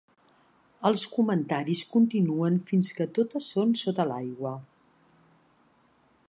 Els comentaris continuen fins que totes són sota l'aigua.